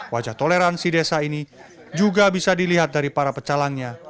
wajah toleransi desa ini juga bisa dilihat dari para pecalangnya